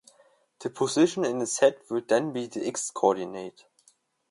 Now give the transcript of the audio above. The position in the set would then be the "x"-coordinate.